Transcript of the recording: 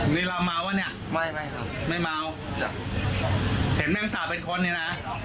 นี่เราเมาวะเนี่ยไม่ไม่ครับไม่เมาจ้ะเห็นแมงสาปเป็นคนเนี่ยน่ะ